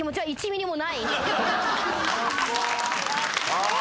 ああ。